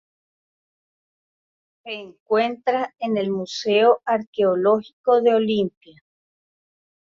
Se encuentra en el Museo Arqueológico de Olimpia.